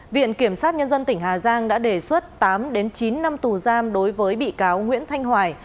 viện kiểm sát nhân dân tỉnh hà giang đã đề xuất tám chín năm tù giam đối với bị cáo nguyễn thanh hoài